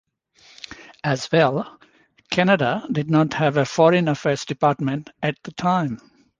As well, Canada did not have a foreign affairs department at the time.